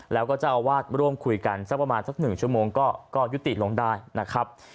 แล้วก็เจ้าอาวาสร่วมคุยกันสักประมาณสัก๑ชั่วโมงก็ยุติลงได้นะครับ